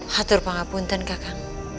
hatur pangapunten kakak